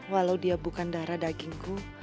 walau dia bukan darah dagingku